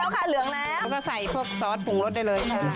เพราะว่ามันลอ